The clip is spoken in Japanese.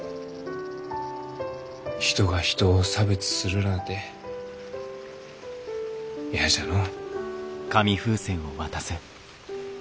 人が人を差別するらあて嫌じゃのう。